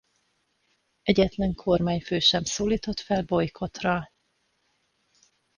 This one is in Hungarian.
Egyetlen kormányfő sem szólított fel bojkottra.